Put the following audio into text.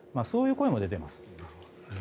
そういう声も出ています。